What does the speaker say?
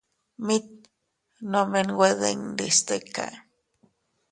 Mit nome nwe dindi stika.